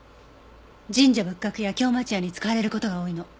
神社仏閣や京町屋に使われる事が多いの。